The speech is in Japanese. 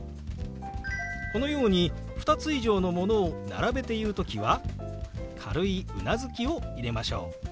このように２つ以上のものを並べて言う時は軽いうなずきを入れましょう。